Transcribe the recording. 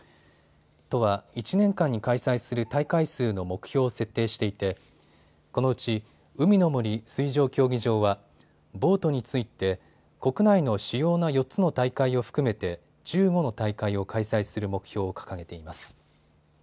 都は１年間に開催する大会数の目標を設定していてこのうち海の森水上競技場はボートについて国内の主要な４つの大会を含めて１５の大会を開催する目標を掲げています。